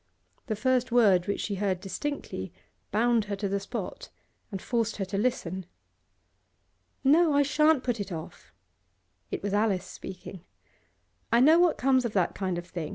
The first word which she heard distinctly bound her to the spot and forced her to listen. 'No, I shan't put it off.' It was Alice speaking. 'I know what comes of that kind of thing.